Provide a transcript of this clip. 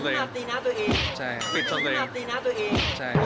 ถูกปิดได้